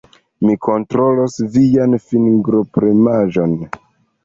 Mi kontrolos vian fingropremaĵon.